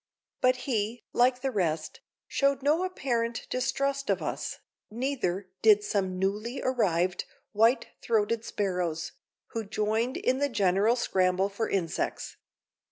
But he, like the rest, showed no apparent distrust of us, neither did some newly arrived white throated sparrows, who joined in the general scramble for insects.